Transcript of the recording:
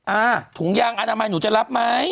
อ่าถุงยางอนามัยหนูจะรับไหม